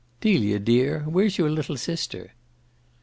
"Delia dear, where's your little sister?"